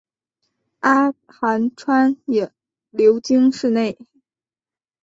阿寒川也流经市内。